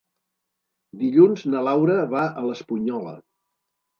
Dilluns na Laura va a l'Espunyola.